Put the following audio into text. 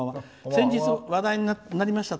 先日、話題になりました